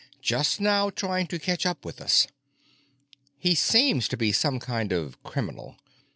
—just now trying to catch up with us. He seems to be some kind of criminal.